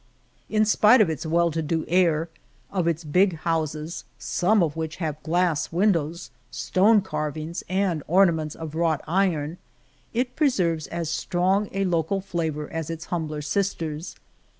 In spite of its well to do air, of its big houses, some of which have glass windows, stone carvings and ornaments of wrought iron, it preserves as strong a local flavor as its humbler sisters.